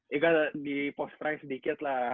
ya kan dipost try sedikit lah